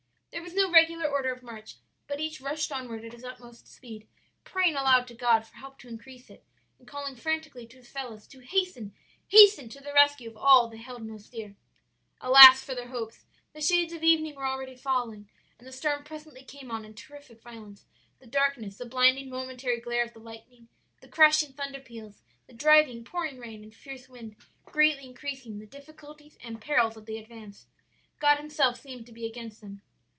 "There was no regular order of march, but each rushed onward at his utmost speed, praying aloud to God for help to increase it, and calling frantically to his fellows to 'hasten, hasten to the rescue of all they held most dear.' "Alas for their hopes! the shades of evening were already falling, and the storm presently came on in terrific violence, the darkness, the blinding momentary glare of the lightning, the crashing thunder peals, the driving, pouring rain and fierce wind greatly increasing the difficulties and perils of their advance. God Himself seemed to be against them.